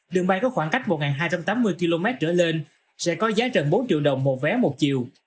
đường bay có khoảng cách một hai trăm tám mươi km trở lên sẽ có giá trần bốn triệu đồng một vé một chiều